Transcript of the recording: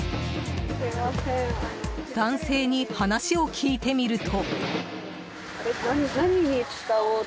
男性に話を聞いてみると。